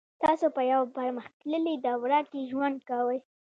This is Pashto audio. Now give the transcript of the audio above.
تاسو په یوه پرمختللې دوره کې ژوند کوئ